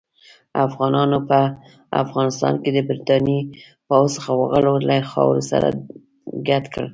افغانانو په افغانستان کې د برتانیې پوځ غرور له خاورو سره ګډ کړ.